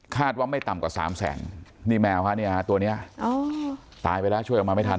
ว่าไม่ต่ำกว่าสามแสนนี่แมวฮะเนี่ยตัวนี้ตายไปแล้วช่วยออกมาไม่ทัน